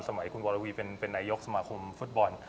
สมัยคุณวรวีเป็นนายกสมาคมฟุตบอล